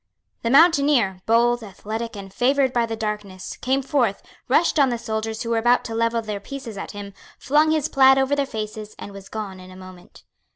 The mountaineer, bold, athletic, and favoured by the darkness, came forth, rushed on the soldiers who were about to level their pieces at him, flung his plaid over their faces, and was gone in a moment.